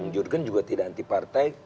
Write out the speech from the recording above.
jurgen juga tidak anti partai